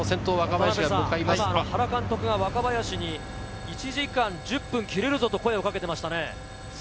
原監督が若林に１時間１０分を切れるぞと声をかけていました。